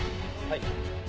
はい。